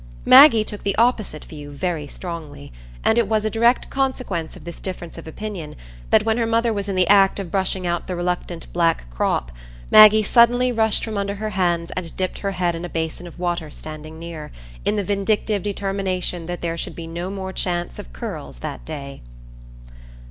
Maggie took the opposite view very strongly, and it was a direct consequence of this difference of opinion that when her mother was in the act of brushing out the reluctant black crop Maggie suddenly rushed from under her hands and dipped her head in a basin of water standing near, in the vindictive determination that there should be no more chance of curls that day.